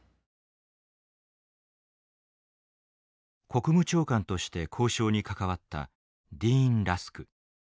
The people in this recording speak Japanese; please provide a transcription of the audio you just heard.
国務長官として交渉に関わったディーン・ラスク。